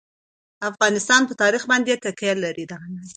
افغانستان په تاریخ باندې تکیه لري.